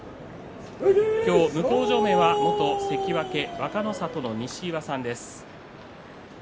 今日向正面は元関脇若の里の西岩親方です。